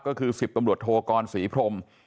ก็คือ๑๐ตำรวจโทกรศรีพรม